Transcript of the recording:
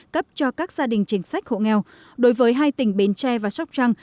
cấp cho các gia đình chính sách hộ nghèo đối với hai tỉnh bến tre và sóc trăng